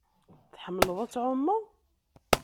Tḥemmleḍ ad tɛumeḍ?